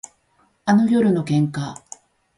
あの夜の喧嘩